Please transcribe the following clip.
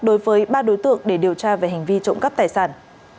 đối với ba đối tượng để điều tra về hành vi trộm cắp tài sản